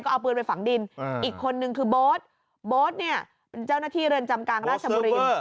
เอาปืนไปฝังดินอีกคนนึงคือโบ๊ทโบ๊ทเนี่ยเป็นเจ้าหน้าที่เรือนจำกลางราชบุรี